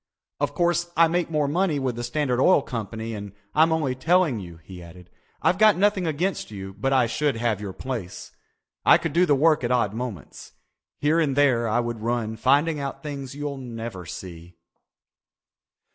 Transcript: "Of course I make more money with the Standard Oil Company and I'm only telling you," he added. "I've got nothing against you but I should have your place. I could do the work at odd moments. Here and there I would run finding out things you'll never see."